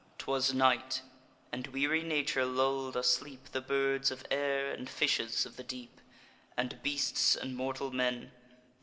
'Twas night; and weary nature lull'd asleep The birds of air, and fishes of the deep, And beasts, and mortal men.